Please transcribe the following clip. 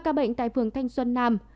ba ca bệnh tại phường thanh xuân nam